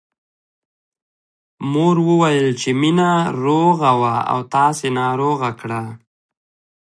مور وويل چې مينه روغه وه او تاسې ناروغه کړه